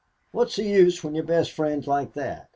What's the use when your best friend's like that?